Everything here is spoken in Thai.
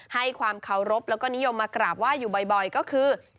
ให้ความเคารพแล้วก็นิยมมากราบไหว้อยู่บ่อยก็คือ